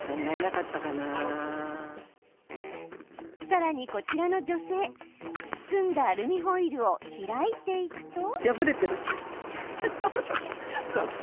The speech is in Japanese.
さらに、こちらの女性包んだアルミホイルを開いていくと。